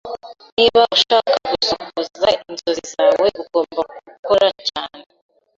Niba ushaka gusohoza inzozi zawe, ugomba gukora cyane.